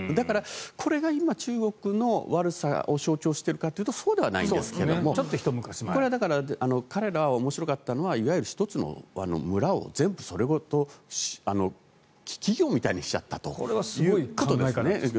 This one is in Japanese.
これが日本の悪さを象徴しているかというとそうではないんですけれどこれは彼らは面白かったのは１つの村をそれごと企業みたいにしちゃったことですね。